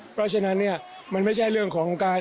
เพราะฉะนั้นเนี่ยมันไม่ใช่เรื่องของการ